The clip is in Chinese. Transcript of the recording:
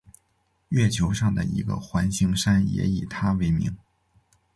月球上的一个环形山也以他为名。